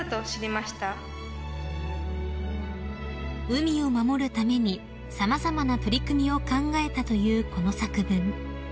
［海を守るために様々な取り組みを考えたというこの作文］